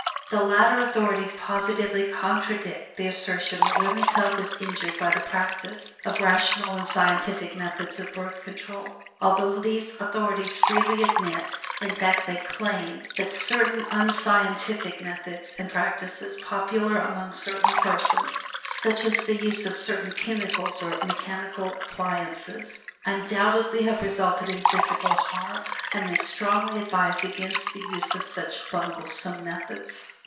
The latter authorities positively contradict the assertion that women's health is injured by the practice of rational and scientific methods of Birth Control; although these authorities freely admit, in fact they CLAIM, that certain unscientific methods and practices popular among certain persons such as the use of certain chemicals and mechanical appliances undoubtedly have resulted in physical harm, and they strongly advise against the use of such bunglesome methods.